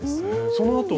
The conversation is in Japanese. そのあとは？